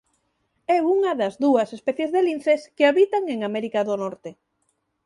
É unha das dúas especies de linces que habitan en América do Norte.